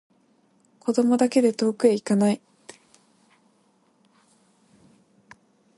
子供だけで遠くへいかない